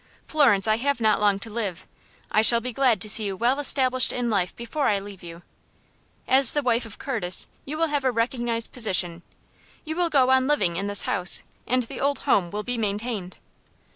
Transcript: Florence, I have not long to live. I shall be glad to see you well established in life before I leave you. As the wife of Curtis you will have a recognized position. You will go on living in this house, and the old home will be maintained."